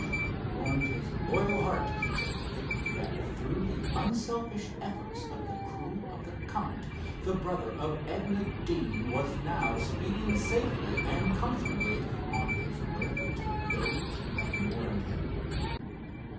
It warmed his loyal heart to think that through the unselfish efforts of the crew of the Comet, the brother of Edna Deane was now speeding safely and comfortably on his way to those who had mourned him.